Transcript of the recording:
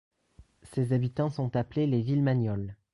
Ses habitants sont appelés les Villemagnols.